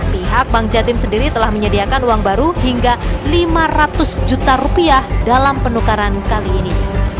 pihak bank jantim sendiri telah menyediakan uang baru hingga rp lima ratus dalam penukaran kali ini